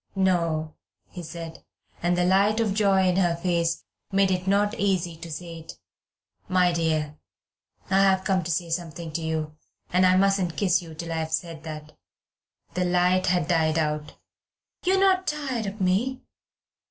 "No," he said, and the light of joy in her face made it not easy to say it. "My dear, I've come to say something to you, and I mustn't kiss you till I've said it." The light had died out. "You're not tired of me?"